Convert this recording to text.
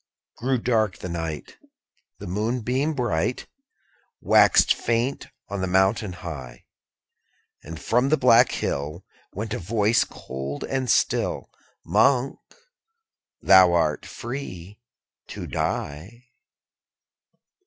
9. Grew dark the night; The moonbeam bright Waxed faint on the mountain high; And, from the black hill, _50 Went a voice cold and still, 'Monk! thou art free to die.'